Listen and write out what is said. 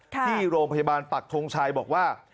ที่โรงพยาบาลปักทงชัยบอกว่า